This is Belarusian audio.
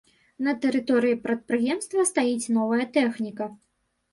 На тэрыторыі прадпрыемства стаіць новая тэхніка.